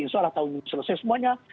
insya allah tahun ini selesai semuanya